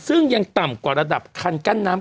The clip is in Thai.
ซึ่งยังต่ำกว่าระดับคันกั้นน้ำ